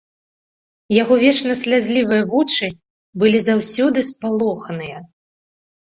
Яго вечна слязлівыя вочы былі заўсёды спалоханыя.